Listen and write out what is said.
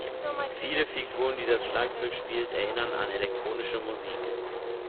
Viele Figuren, die das Schlagzeug spielt, erinnern an elektronische Musik.